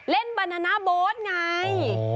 เล่นบานานาโบ๊ทไง